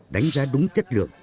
đánh giá đúng chất lượng